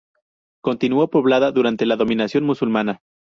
Continuó poblada durante la dominación musulmana.